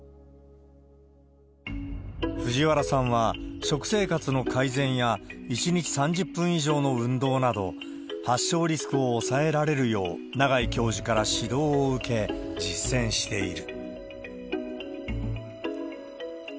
藤原さんは、食生活の改善や１日３０分以上の運動など、発症リスクを抑えられるよう、長井教授から指導を受け、実践している。